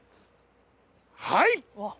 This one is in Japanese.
はい！